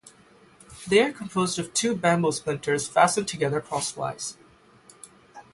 They are composed of two bamboo splinters fastened together crosswise.